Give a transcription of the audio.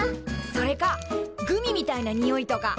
それかグミみたいなにおいとか。